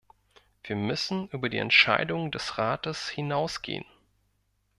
Wir müssen über die Entscheidungen des Rates hinausgehen.